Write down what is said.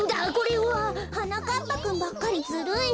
はなかっぱくんばっかりずるい！